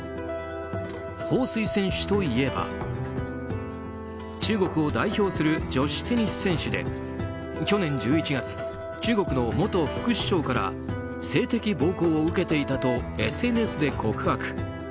ホウ・スイ選手といえば中国を代表する女子テニス選手で去年１１月、中国の元副首相から性的暴行を受けていたとＳＮＳで告白。